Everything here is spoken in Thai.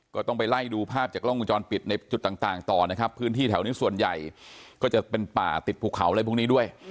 ก็ต้องไปไล่ดูภาพจากกล้องวงจรปิดในจุดต่างต่อนะครับพื้นที่แถวนี้ส่วนใหญ่ก็จะเป็นป่าติดภูเขาอะไรพวกนี้ด้วย